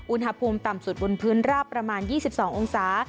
อุณหภูมิต่ำสุดบนพื้นราบประมาณ๒๒องศา